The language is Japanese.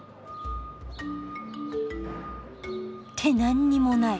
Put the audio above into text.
ってなんにもない。